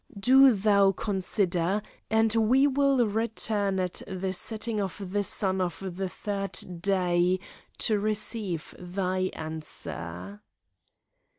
Do thou consider, and we will return at the setting of the sun of the third day, to receive thy answer."